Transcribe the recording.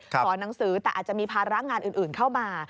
หนังสือแต่อาจจะมีภาระงานอื่นเข้ามา